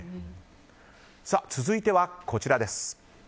続いては、こちらです。